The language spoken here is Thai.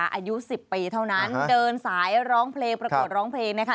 อายุ๑๐ปีเท่านั้นเดินสายร้องเพลงประกวดร้องเพลงนะคะ